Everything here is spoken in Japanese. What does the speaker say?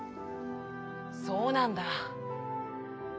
「そうなんだ」。